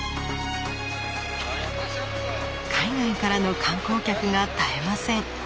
海外からの観光客が絶えません。